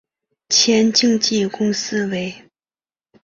前经纪公司为。